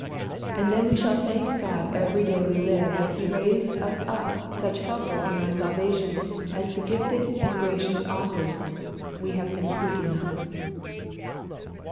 And then we shall thank God every day we live that He raised us up such helpers in our salvation as the gifted and gracious authors we have been speaking of.